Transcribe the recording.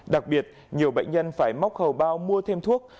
đặc biệt nhiều bệnh nhân phải móc hầu bao mua thêm thuốc